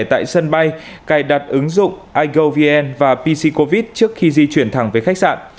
tại sân bay cài đặt ứng dụng igovn và pc covid trước khi di chuyển thẳng với khách sạn